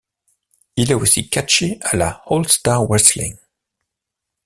Il a aussi catché à la All-Star Wrestling.